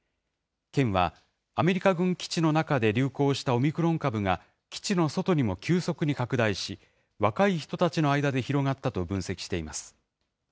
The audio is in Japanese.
県は、アメリカ軍基地の中で流行したオミクロン株が、基地の外にも急速に拡大し、若い人たちの間で広がったと分析しています。